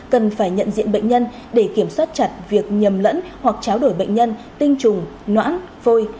cần phải nhận diện bệnh nhân để kiểm soát chặt việc nhầm lẫn hoặc cháo đổi bệnh nhân tinh trùng nễn phôi